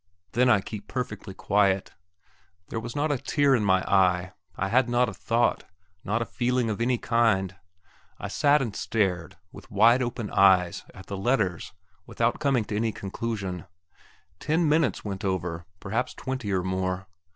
then I keep perfectly quiet. There was not a tear in my eyes; I had not a thought, not a feeling of any kind. I sat and stared, with wide open eyes, at the letters, without coming to any conclusion. Ten minutes went over perhaps twenty or more.